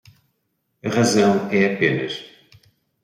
A razão é apenas